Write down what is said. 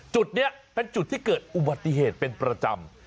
จุดนี้เป็นจุดที่เกิดอุบัติเหตุเป็นประจำ